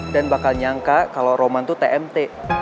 dan bakal nyangka kalau roman tuh tmt